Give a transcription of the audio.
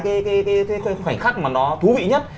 khoảnh khắc mà nó thú vị nhất